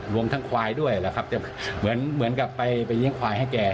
รวมทั้งควายด้วยเหมือนกับไปเรียงควายให้แก